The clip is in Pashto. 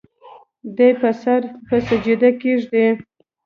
دے به سر پۀ سجده کيږدي